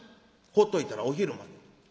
ほっといたらお昼まで。